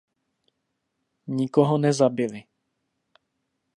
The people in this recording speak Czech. Nikoho nezabili.